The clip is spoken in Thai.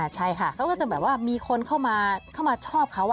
ใช่ค่ะเขาก็จะแบบว่ามีคนเข้ามาชอบเขา